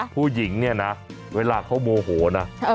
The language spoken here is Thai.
ผู้หญิงเนี่ยนะเวลาเขาโมโหนะ